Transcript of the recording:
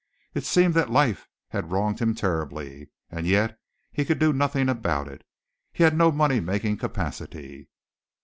It seemed that life had wronged him terribly, and yet he could do nothing about it. He had no money making capacity.